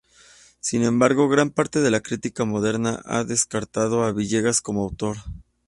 Sin embargo, gran parte de la crítica moderna ha descartado a Villegas como autor.